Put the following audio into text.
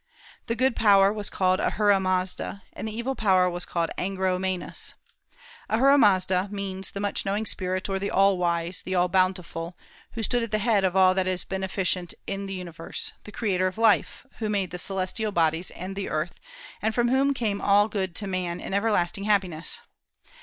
The good power was called Ahura Mazda, and the evil power was called Angro Mainyus. Ahura Mazda means the "Much knowing spirit," or the All wise, the All bountiful, who stood at the head of all that is beneficent in the universe, "the creator of life," who made the celestial bodies and the earth, and from whom came all good to man and everlasting happiness.